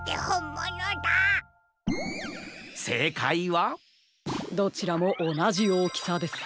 せいかいはどちらもおなじおおきさです。